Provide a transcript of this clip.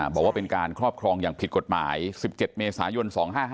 บอกว่าเป็นการครอบครองอย่างผิดกฎหมาย๑๗เมษายน๒๕๕